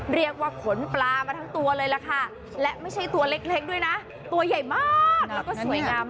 เรียกว่าขนปลามาทั้งตัวเลยล่ะค่ะและไม่ใช่ตัวเล็กด้วยนะตัวใหญ่มากแล้วก็สวยงาม